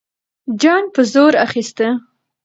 جنګ به زور اخیسته.